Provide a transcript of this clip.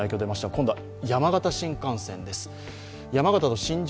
今度は山形新幹線です。